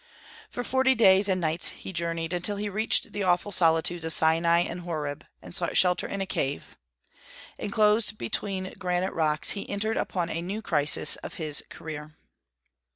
For forty days and nights he journeyed, until he reached the awful solitudes of Sinai and Horeb, and sought shelter in a cave. Enclosed between granite rocks, he entered upon a new crisis of his career.